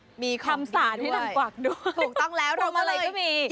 มีของมีด้วยคำสารให้นางกวากด้วยคงอะไรก็มีถูกต้องแล้ว